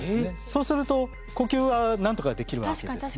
そうすると呼吸はなんとかできるわけです。